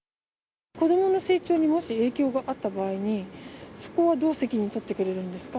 子どもの成長にもし影響があった場合に、そこはどう責任取ってくれるんですか？